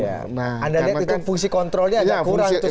anda lihat itu fungsi kontrolnya agak kurang